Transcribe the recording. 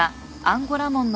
アンゴラモン？